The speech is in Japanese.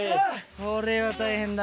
これは大変だ。